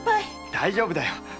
大丈夫だよ